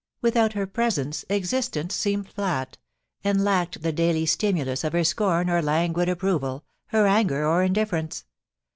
Without her presence existence seemed fiat, and lacked the daily stimulus of her scorn or languid approval, her anger or indifference.